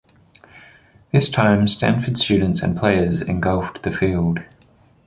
This time Stanford students and players engulfed the field.